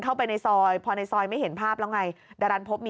เข้าไปในซอยพอในซอยไม่เห็นภาพแล้วไงดารันพบมี